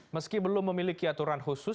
meski belum memiliki aturan khusus